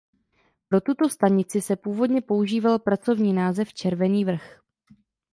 Pro tuto stanici se původně používal pracovní název "Červený Vrch".